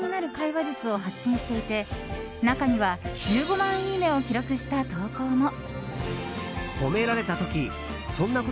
話術を発信していて中には１５万いいねを記録した投稿も。